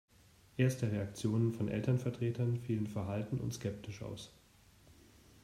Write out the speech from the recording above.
Erste Reaktionen von Elternvertretern fielen verhalten und skeptisch aus.